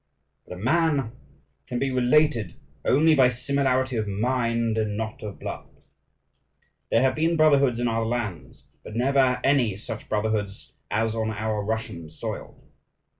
But a man can be related only by similarity of mind and not of blood. There have been brotherhoods in other lands, but never any such brotherhoods as on our Russian soil.